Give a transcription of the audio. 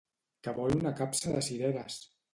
Que vol una capsa de cireres!